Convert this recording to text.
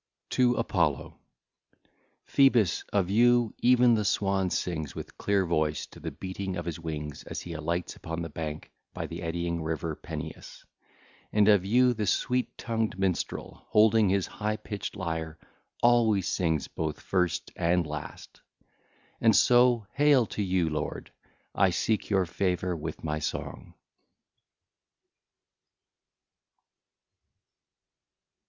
XXI. TO APOLLO (ll. 1 4) Phoebus, of you even the swan sings with clear voice to the beating of his wings, as he alights upon the bank by the eddying river Peneus; and of you the sweet tongued minstrel, holding his high pitched lyre, always sings both first and last. (l. 5) And so hail to you, lord! I seek your favour with my song.